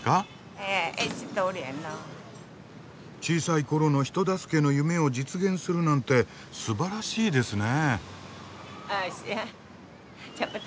小さい頃の人助けの夢を実現するなんてすばらしいですね。